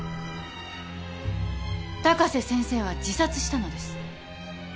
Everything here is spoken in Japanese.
高瀬先生は自殺したのです。